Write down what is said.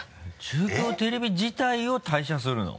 中京テレビ自体を退社するの？